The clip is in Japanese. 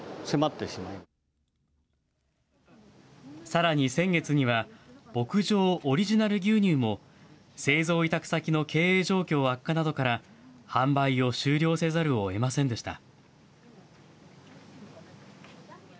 さらに先月には、牧場オリジナル牛乳も、製造委託先の経営状況悪化などから、販売を終了せざるをえませんでした。